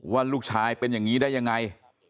ว่าลูกชายเป็นอย่างนี้ได้ยังไง